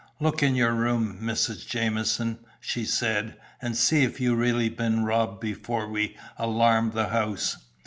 "Look in your room, Mrs. Jamieson," she said, "and see if you have really been robbed before we alarm the house.